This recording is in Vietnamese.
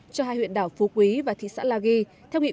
cho hai huyện đảo phú quý và thị xã la ghi